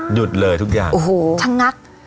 หยุดเลยทุกอย่างโอ้โหชะงัก